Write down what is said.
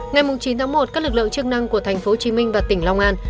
ngày chín một các lực lượng chức năng của tp hcm và tỉnh long an